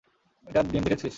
এটার ডিম দেখেছিস?